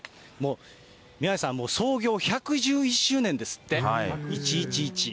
宮根さん、創業１１１周年ですって、１１１。